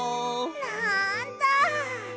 なんだ。